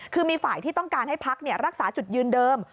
คือมีฝ่ายที่ต้องการให้พักรักษาจุดยืนเดิม